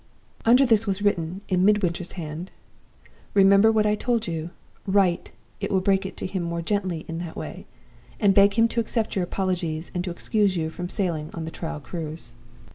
"Under this was written, in Midwinter's hand: 'Remember what I told you. Write (it will break it to him more gently in that way), and beg him to accept your apologies, and to excuse you from sailing on the trial cruise.